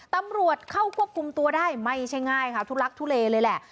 ตำรวจเข้าควบคุมตัวได้ไม่ใช่ง่ายค่ะทุลักทุเลเลยแหละ